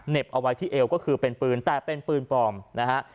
เอาไว้ที่เอวก็คือเป็นปืนแต่เป็นปืนปลอมนะฮะ